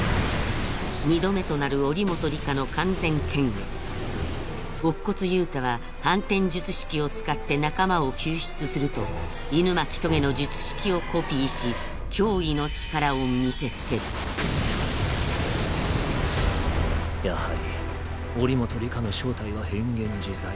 二度目となる祈本里香の完全顕現乙骨憂太は反転術式を使って仲間を救出すると狗巻棘の術式をコピーし脅威の力を見せつけるやはり祈本里香の正体は変幻自在。